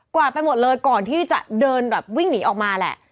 วาดไปหมดเลยก่อนที่จะเดินแบบวิ่งหนีออกมาแหละ